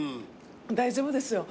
大丈夫ですよ。